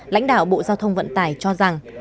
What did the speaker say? lãnh đạo bộ giao thông vận tải cho rằng